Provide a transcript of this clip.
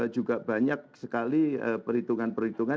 juga banyak sekali perhitungan perhitungan